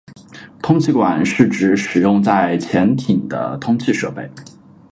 通气管是指使用在潜艇的通气设备。